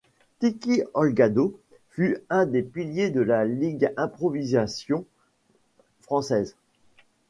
Ticky Holgado fut un des piliers de la Ligue d'Improvisation Française.